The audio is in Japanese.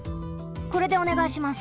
これでおねがいします。